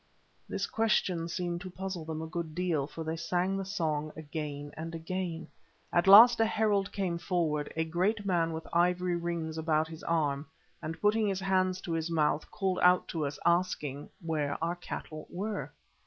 This question seemed to puzzle them a good deal, for they sang the song again and again. At last a herald came forward, a great man with ivory rings about his arm, and, putting his hands to his mouth, called out to us asking where our cattle were.